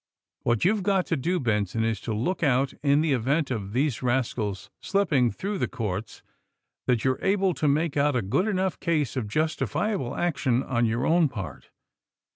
What you've got to do, Benson, is to look out, in the event of these rascals slipping through the court, that you are able to make out a good enough case of justifiable action on your own part.